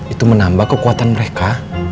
itu menambah kekuatan mereka